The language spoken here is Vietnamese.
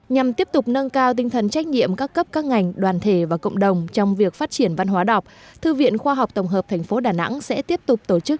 nhằm tiếp tục nâng cao tinh thần trách nhiệm các cấp các ngành đoàn thể và cộng đồng trong việc phát triển văn hóa đọc thư viện khoa học tổng hợp tp đà nẵng sẽ tiếp tục tổ chức